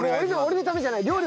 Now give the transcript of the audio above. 料理のためじゃない。